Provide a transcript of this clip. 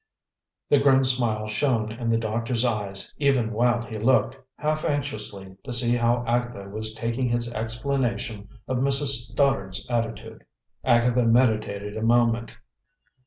The grim smile shone in the doctor's eyes even while he looked, half anxiously, to see how Agatha was taking his explanation of Mrs. Stoddard's attitude. Agatha meditated a moment.